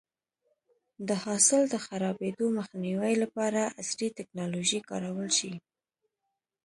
د حاصل د خرابېدو مخنیوی لپاره عصري ټکنالوژي کارول شي.